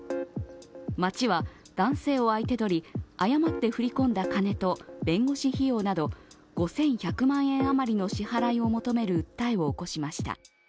町は男性を相手取り、誤って振り込んだ金と弁護士費用など５１００万円余りの支払いを求める訴えを起こしました。